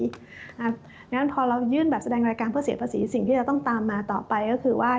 เพราะฉะนั้นพอเรายื่นแบบแสดงรายการเพื่อเสียภาษีสิ่งที่จะต้องตามมาต่อไปก็คือว่า